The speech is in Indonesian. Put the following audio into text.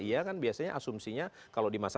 iya kan biasanya asumsinya kalau di masa